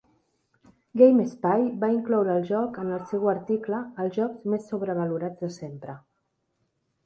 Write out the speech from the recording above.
GameSpy va incloure el joc en el seu article "Els jocs més sobrevalorats de sempre".